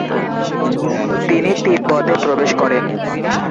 তিনি তিব্বতে প্রবেশ করেন।